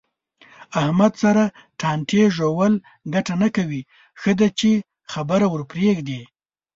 احمد سره ټانټې ژول گټه نه کوي. ښه ده چې خبره ورپرېږدې.